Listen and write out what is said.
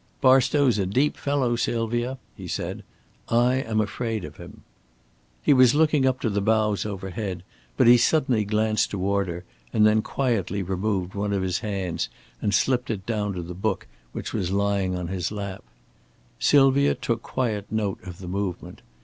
"Barstow's a deep fellow, Sylvia," he said. "I am afraid of him." He was looking up to the boughs overhead, but he suddenly glanced toward her and then quietly removed one of his hands and slipped it down to the book which was lying on his lap. Sylvia took quiet note of the movement.